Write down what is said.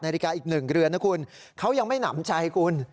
นาฬิกาอีก๑เรือนนะคุณเขายังไม่หนำใจคุณ